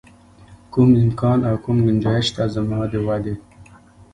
کوم امکان او کوم ګنجایش شته زما د ودې.